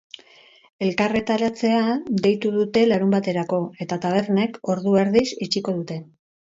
Elkarretaratzea deitu dute larunbaterako, eta tabernek ordu erdiz itxiko dute.